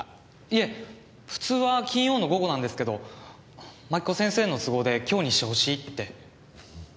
いえ普通は金曜の午後なんですけど槙子先生の都合で今日にしてほしいって。